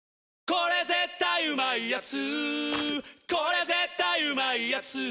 これ絶対うまいやつ」